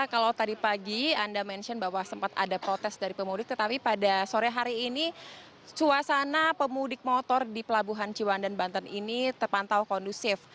kalau tadi pagi anda mention bahwa sempat ada protes dari pemudik tetapi pada sore hari ini suasana pemudik motor di pelabuhan ciwandan banten ini terpantau kondusif